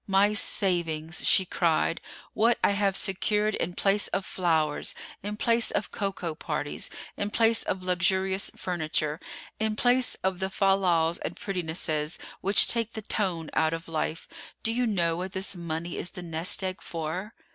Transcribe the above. "My savings," she cried; "what I have secured in place of flowers, in place of cocoa parties, in place of luxurious furniture, in place of the fal lals and prettinesses which take the tone out of life. Do you know what this money is the nest egg for?"